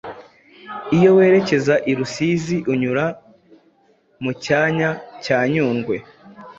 Iyo werekeza i Rusizi unyura mu Cyanya cya Nyungwe